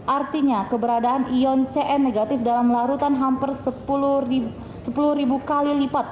artinya keberadaan ion cn negatif dalam larutan hampir sepuluh kali lipat